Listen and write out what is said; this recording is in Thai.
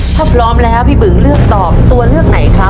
ถ้าพร้อมแล้วพี่บึงเลือกตอบตัวเลือกไหนครับ